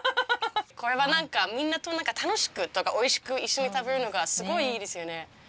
これはなんかみんなとなんか楽しくとかおいしく一緒に食べるのがすごいいいですよね。